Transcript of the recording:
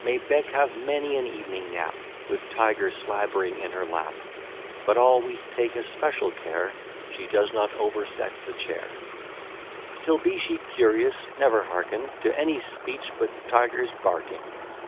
May Bec have many an evening nap, With Tiger slabbering in her lap; But always take a special care She does not overset the chair; Still be she curious, never hearken To any speech but Tiger's barking!